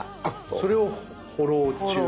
それをフォロー中。